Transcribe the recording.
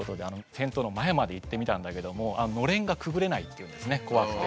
銭湯の前まで行ってみたんだけどものれんがくぐれないというんですね怖くて。